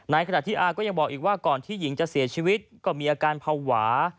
ขณะที่อาก็ยังบอกอีกว่าก่อนที่หญิงจะเสียชีวิตก็มีอาการภาวะ